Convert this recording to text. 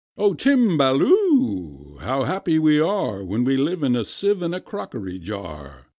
"O Timballoo! How happy we are When we live in a sieve and a crockery jar!